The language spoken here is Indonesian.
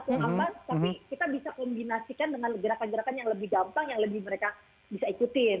tapi kita bisa kombinasikan dengan gerakan gerakan yang lebih gampang yang lebih mereka bisa ikutin